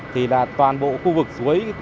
thì là toàn bộ khu vực suối